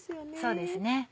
そうですね。